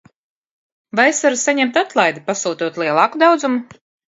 Vai es varu saņemt atlaidi, pasūtot lielāku daudzumu?